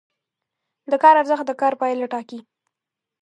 د کار ارزښت د کار پایله ټاکي.